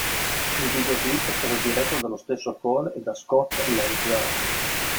Il videoclip è stato diretto dallo stesso Cole e da Scott Lazer.